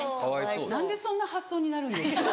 何でそんな発想になるんですか？